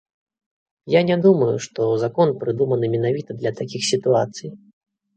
Я не думаю, што закон прыдуманы менавіта для такіх сітуацый.